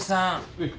はい。